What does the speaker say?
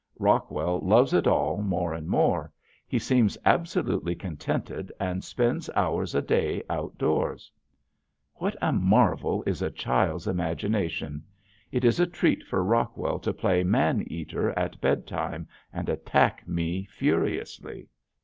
Rockwell loves it all more and more. He seems absolutely contented and spends hours a day outdoors. What a marvel is a child's imagination! It is a treat for Rockwell to play "man eater" at bedtime and attack me furiously.